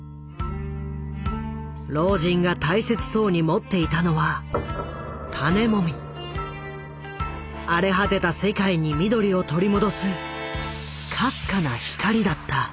老人が大切そうに持っていたのは荒れ果てた世界に緑を取り戻すかすかな光だった。